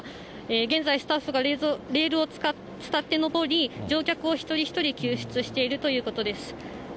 現在、スタッフがレールを伝って上り、乗客を一人一人救出しているということです。